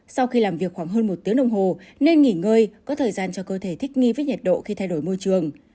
sau khi làm việc khoảng hơn một tiếng đồng hồ nên nghỉ ngơi có thời gian cho cơ thể thích nghi với nhiệt độ khi thay đổi môi trường